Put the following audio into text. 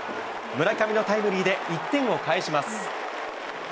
村上のタイムリーで１点を返します。